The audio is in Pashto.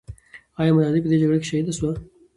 آیا ملالۍ په دې جګړه کې شهیده سوه؟